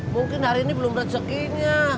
mungkin hari ini belum rezekinya